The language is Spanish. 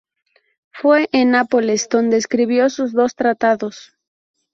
Fue en Nápoles donde escribió sus dos tratados.